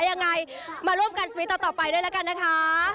ยังไงมาร่วมกันวิทย์ต่อไปด้วยละกันนะคะ